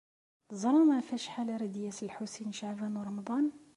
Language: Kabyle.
Teẓram ɣef wacḥal ara d-yas Lḥusin n Caɛban u Ṛemḍan?